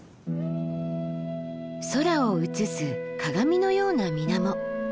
空を映す鏡のような水面。